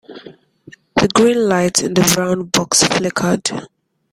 The green light in the brown box flickered.